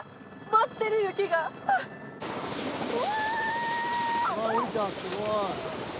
舞ってる雪がうわ！